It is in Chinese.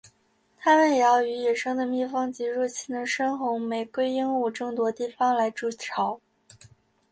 它们也要与野生的蜜蜂及入侵的深红玫瑰鹦鹉争夺地方来筑巢。